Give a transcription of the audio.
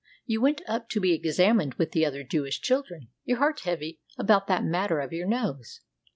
You went up to be examined with the other Jewish children, your heart heavy about that matter of your nose.